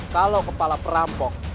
kalau kepala perampok